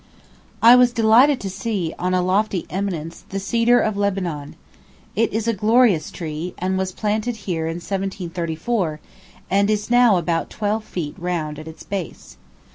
I was delighted to see, on a lofty eminence, the cedar of Lebanon. It is a glorious tree, and was planted here in 1734, and is now about twelve feet round at its base.